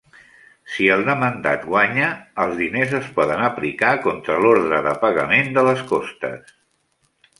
Si el demandat guanya, els diners es poden aplicar contra l'ordre de pagament de les costes.